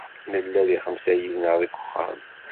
Nella deg xemsa yid-neɣ deg uxxam.